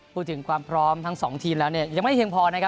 พูดถึงความพร้อมทั้ง๒ทีมแล้วเนี่ยยังไม่เพียงพอนะครับ